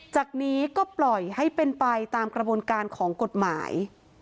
จากนี้ก็ปล่อยให้เป็นไปตามกระบวนการของกฎหมาย